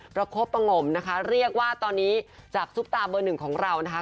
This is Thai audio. ประคบประงมนะคะเรียกว่าตอนนี้จากซุปตาเบอร์หนึ่งของเรานะคะ